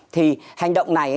thì hành động này